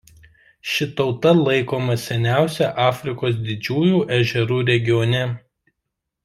Ši tauta laikoma seniausia Afrikos didžiųjų ežerų regione.